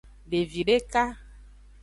Devi deka.